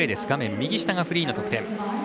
画面右下がフリーの得点。